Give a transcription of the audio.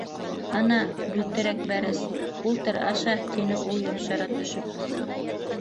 - Ана, бүлтерек бәрәс, ултыр, аша, - тине ул, йомшара төшөп.